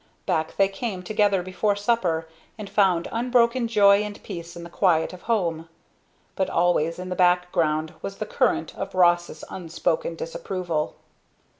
Back they came together before supper, and found unbroken joy and peace in the quiet of home; but always in the background was the current of Ross' unspoken disapproval.